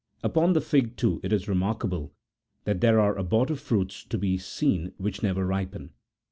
Upon the fig, too, it is remarkable that there are abortive fruit to be seen which never ripen.